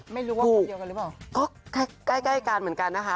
ไม่รู้ว่าคนเดียวกันหรือเปล่าก็ใกล้ใกล้กันเหมือนกันนะคะ